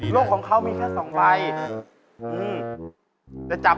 อุ้ยขอบคุณครับขอบคุณมากเลยครับ